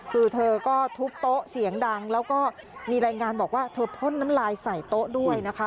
คือเธอก็ทุบโต๊ะเสียงดังแล้วก็มีรายงานบอกว่าเธอพ่นน้ำลายใส่โต๊ะด้วยนะคะ